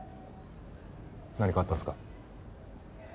何かあったんですか？